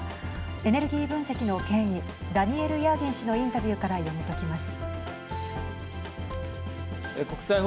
エネルギー分析の権威ダニエル・ヤーギン氏のインタビューから読み解きます。